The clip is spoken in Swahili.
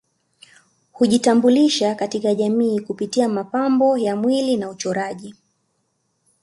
Hujitambulisha katika jamii kupitia mapambo ya mwili na uchoraji